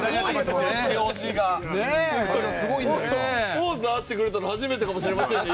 ポーズ合わせてくれたの初めてかもしれませんね